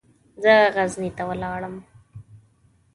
زه غزني ته ولاړم.